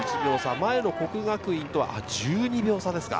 前の國學院とは１２秒差ですか。